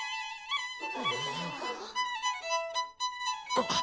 あっ！